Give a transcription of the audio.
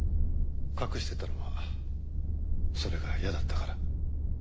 隠してたのはそれが嫌だったから。